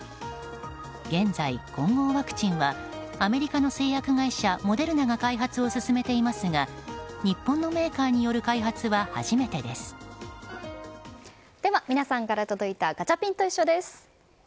現在、混合ワクチンはアメリカの製薬会社モデルナが開発を進めていますが日本のメーカーによる開発はでは皆さんから届いたガチャピンといっしょ！です。